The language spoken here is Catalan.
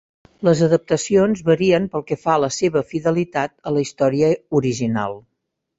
Les adaptacions varien pel que fa a la seva fidelitat a la història original.